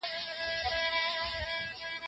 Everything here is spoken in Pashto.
د لويو شرونو د دفعي لپاره څه بايد وسي؟